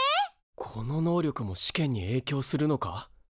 この能力も試験にえいきょうするのか？